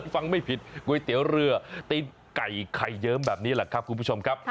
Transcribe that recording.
ฟังไม่ผิดก๋วยเตี๋ยวเรือตีนไก่ไข่เยิ้มแบบนี้แหละครับคุณผู้ชมครับ